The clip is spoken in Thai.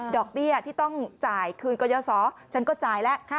เบี้ยที่ต้องจ่ายคืนกยศฉันก็จ่ายแล้ว